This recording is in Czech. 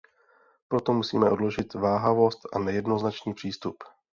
Proto musíme odložit váhavost a nejednoznačný přístup.